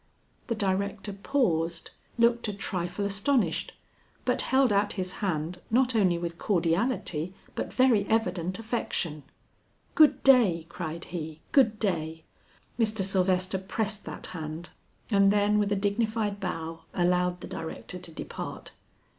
The director paused, looked a trifle astonished, but held out his hand not only with cordiality but very evident affection. "Good day," cried he, "good day." Mr. Sylvester pressed that hand, and then with a dignified bow, allowed the director to depart.